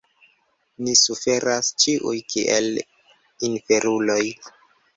Ni suferas ĉiuj kiel inferuloj.